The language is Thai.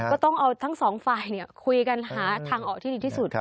ก็ต้องเอาทั้งสองฝ่ายคุยกันหาทางออกที่ดีที่สุด